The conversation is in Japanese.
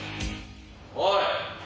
おい！